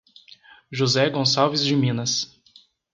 José Gonçalves de Minas